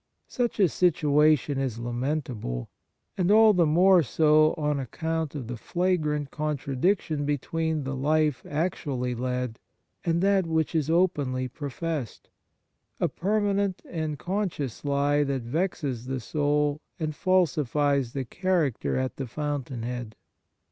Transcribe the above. Such a situation is lamentable, and all the more so on account of the flagrant contradiction between the life actually led and that which is openly professed : a permanent and conscious lie that vexes the soul and falsifies the character at the fountain head.